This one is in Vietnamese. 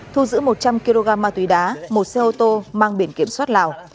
thu giữ một trăm linh kg ma túy đá một xe ô tô mang biển kiểm soát lào